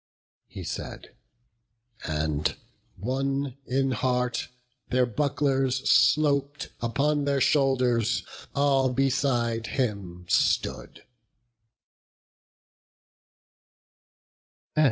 He said; and, one in heart, their bucklers slop'd Upon their shoulders, all beside him stood.